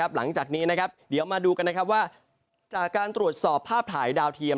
หลังจากนี้เดี๋ยวมาดูกันว่าจากการตรวจสอบภาพถ่ายดาวเทียม